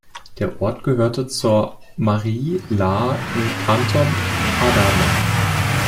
Der Ort gehörte zur "Mairie Lahr" im Canton Hadamar.